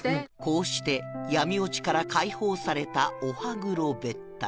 こうして闇落ちから解放されたお歯黒べったり